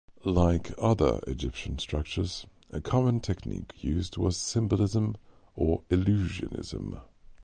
Like other Egyptian structures a common technique used was symbolism, or illusionism.